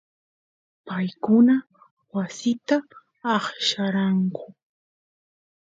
paykuna wasita aqllaranku